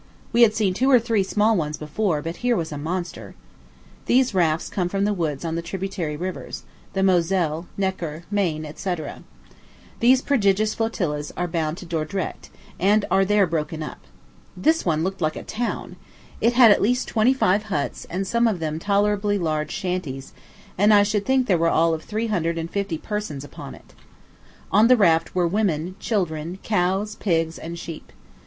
We had seen two or three small ones before, but here was a monster. These rafts come from the woods on the tributary rivers the Moselle, Neckar, Maine, &c. These prodigious flotillas are bound to Dordrecht, and are there broken up. This one looked like a town. It had at least twenty five huts, and some of them tolerably large shanties; and I should think there were all of three hundred and fifty persons upon it. On the raft were women, children, cows, pigs, and sheep.